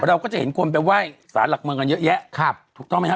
เราก็จะเห็นคนไปไหว้สารหลักเมืองกันเยอะแยะครับถูกต้องไหมฮ